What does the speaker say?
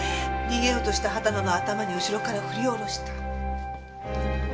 逃げようとした秦野の頭に後ろから振り下ろした？